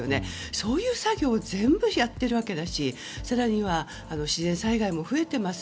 そういう作業を全部やっているわけだし更には自然災害も増えています。